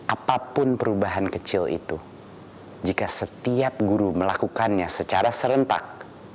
apapun perubahan kecil itu jika setiap guru melakukannya secara serentak